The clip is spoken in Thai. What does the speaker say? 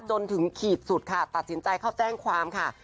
จนถึงขีดสุดค่ะตัดสินใจเข้าแจ้งความค่ะ